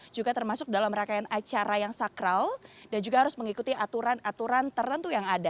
juga termasuk dalam rangkaian acara yang sakral dan juga harus mengikuti aturan aturan tertentu yang ada